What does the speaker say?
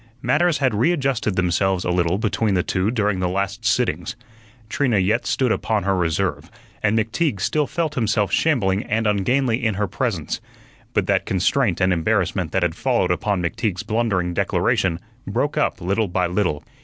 Matters had readjusted themselves a little between the two during the last sittings. Trina yet stood upon her reserve, and McTeague still felt himself shambling and ungainly in her presence; but that constraint and embarrassment that had followed upon McTeague's blundering declaration broke up little by little.